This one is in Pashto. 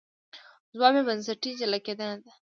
ځواب یې بنسټي جلا کېدنه ده.